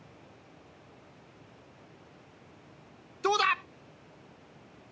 どうだ！？